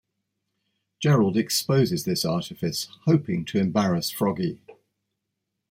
Gerald exposes this artifice, hoping to embarrass Froggy.